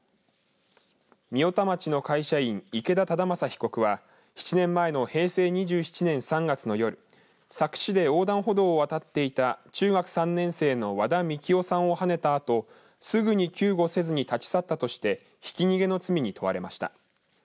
御代田町の会社員池田忠正被告は７年前の平成２７年３月の夜佐久市で、横断歩道を渡っていた中学３年生の和田樹生さんをはねたあとすぐに救護せずに立ち去ったとしてひき逃げの罪に問われました。